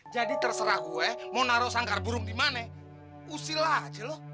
jadi terserah gue mau taruh sakar burung dimana usil lah cil lo